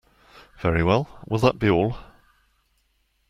Very well, will that be all?